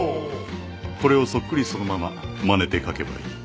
これをそっくりそのまままねて描けばいい。